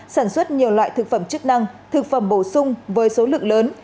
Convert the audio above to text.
sản xuất nhiều loại thực phẩm chức năng thực phẩm bổ sung với số lượng lớn